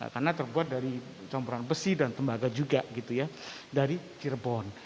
karena terbuat dari campuran besi dan tembaga juga gitu ya dari jerbon